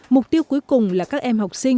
mục tiêu cuối cùng là các em học sinh